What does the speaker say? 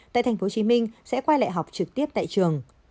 tại tp hcm sẽ quay lại học trực tiếp tại trường